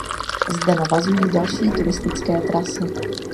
Zde navazují další turistické trasy.